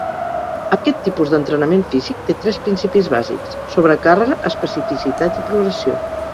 Aquest tipus d'entrenament físic té tres principis bàsics: sobrecàrrega, especificitat i progressió.